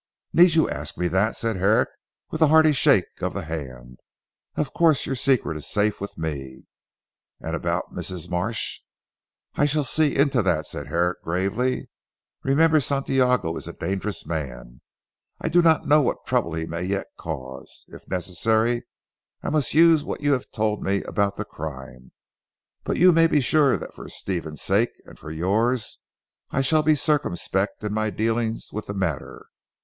"Need you ask me that!" said Herrick with a hearty shake of the hand. "Of course your secret is safe with me." "And about Mrs. Marsh?" "I shall see into that," said Herrick gravely. "Remember Santiago is a dangerous man. I do not know what trouble he may yet cause. If necessary I must use what you have told me about the crime. But you may be sure that for Stephen's sake and for yours, I shall be circumspect in my dealings with the matter.